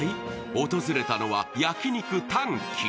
訪れたのは焼肉たん鬼。